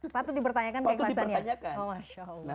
patut dipertanyakan ke ikhlasannya